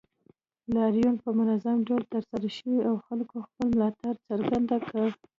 لاریون په منظم ډول ترسره شو او خلکو خپل ملاتړ څرګند کړ